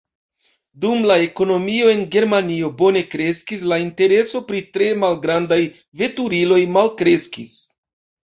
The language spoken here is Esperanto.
Dum la ekonomio en Germanio bone kreskis, la intereso pri tre malgrandaj veturiloj malkreskis.